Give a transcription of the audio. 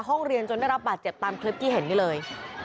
ห้องเรียนจนได้รับบาดเจ็บตามคลิปที่เห็นนี่เลย